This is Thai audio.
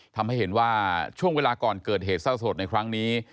ทำให้เห็นว่าช่วงเวลาก่อนเกิดเหตุเศร้าสลดในครั้งนี้